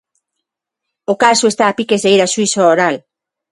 O caso está a piques de ir a xuízo oral.